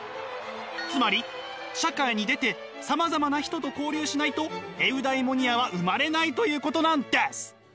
つまり社会に出てさまざまな人と交流しないとエウダイモニアは生まれないということなんです。